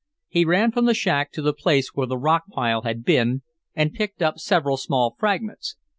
He ran from the shack to the place where the rock pile had been, and picked up several small fragments.